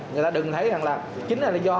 người ta đừng thấy rằng là chính là do